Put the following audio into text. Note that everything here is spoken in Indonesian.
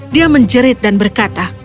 dia menjerit dan berkata